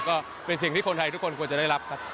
ก็เป็นสิ่งที่คนไทยทุกคนควรจะได้รับครับ